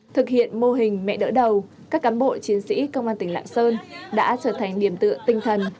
thực hiện mô hình mẹ đỡ đầu các cám bộ chiến sĩ công an tỉnh lạng sơn đã trở thành điểm tựa tinh thần